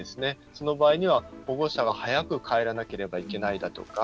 その場合には、保護者が早く帰らなければいけないだとか